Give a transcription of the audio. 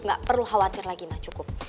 mama gak perlu khawatir lagi ma cukup